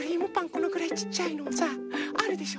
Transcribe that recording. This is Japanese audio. このくらいちっちゃいのさあるでしょ。